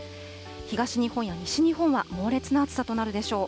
東日本や西日本は猛烈な暑さとなるでしょう。